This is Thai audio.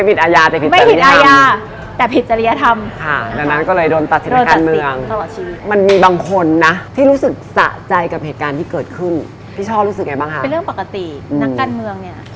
เป็นเรื่องปกตินักการเมืองเนี่ย